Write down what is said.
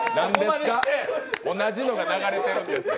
同じのが流れてるんです。